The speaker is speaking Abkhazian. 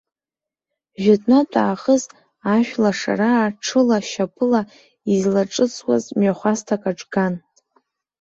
Ҷәытәнатә аахыс ашәлашараа ҽыла, шьапыла излаҿысуаз мҩахәасҭак аҿган.